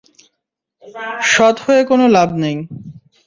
সৎ হয়ে কোনো লাভ নেই।